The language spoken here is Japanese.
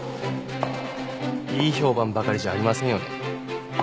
いい評判ばかりじゃありませんよね。